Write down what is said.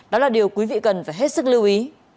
đó là điều quý vị cần phải hết sức lưu ý